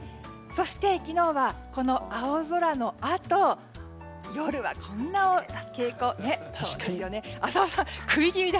そして、昨日はこの青空のあと夜はこんなふうに。